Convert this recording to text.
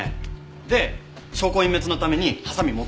で証拠隠滅のためにハサミ持っていっちゃったとか。